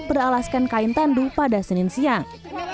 beralaskan kain tandu pada senin siang